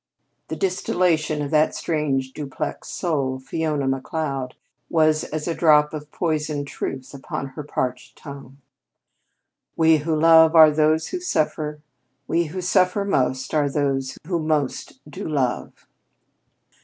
'" The distillation of that strange duplex soul, Fiona Macleod, was as a drop of poisoned truth upon her parched tongue. "We who love are those who suffer; We who suffer most are those who most do love."